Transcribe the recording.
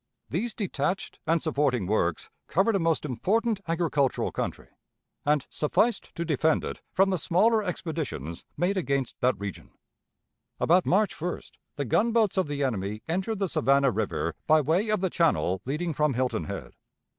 These detached and supporting works covered a most important agricultural country, and sufficed to defend it from the smaller expeditions made against that region. "About March 1st the gunboats of the enemy entered the Savannah River by way of the channel leading from Hilton Head.